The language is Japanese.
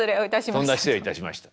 「とんだ失礼をいたしました」。